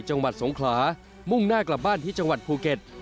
จังหวัดสงขลามุ่งหน้ากลับบ้านที่จังหวัดภูเก็ต